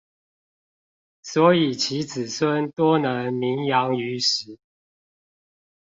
所以其子孫多能名揚於時